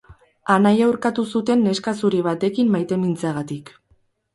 Anaia urkatu zuten neska zuri batekin maitemintzeagatik.